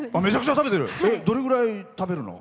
どれぐらい食べるの？